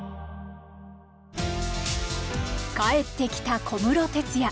帰ってきた小室哲哉。